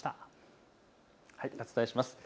お伝えします。